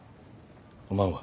おまんは？